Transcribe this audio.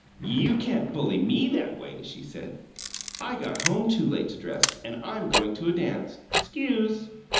"You can't bully ME that way!" she said. "I got home too late to dress, and I'm going to a dance. 'Scuse!"